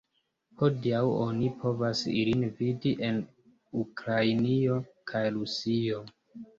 Hodiaŭ oni povas ilin vidi en Ukrainio kaj Rusio.